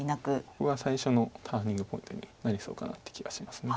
ここが最初のターニングポイントになりそうかなって気がします。